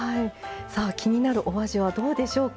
気になるお味はどうでしょうか？